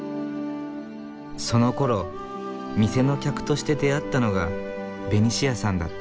その頃店の客として出会ったのがベニシアさんだった。